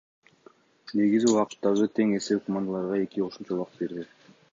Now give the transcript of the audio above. Негизги убакыттагы тең эсеп командаларга эки кошумча убакыт берди.